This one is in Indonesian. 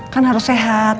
kan harus sehat